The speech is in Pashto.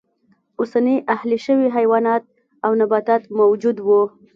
اوسني اهلي شوي حیوانات او نباتات موجود و.